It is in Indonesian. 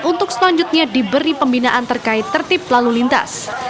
untuk selanjutnya diberi pembinaan terkait tertib lalu lintas